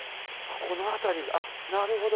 この辺りなるほど！